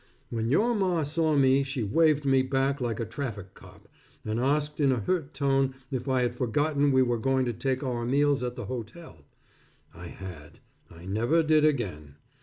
When your Ma saw me she waved me back like a traffic cop, and asked in a hurt tone if I had forgotten we were going to take our meals at the hotel. I had. I never did again.